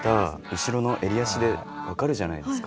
後ろの襟足でわかるじゃないですか。